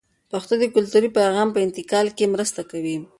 پښتو د کلتوري پیغام په انتقال کې مرسته کوي.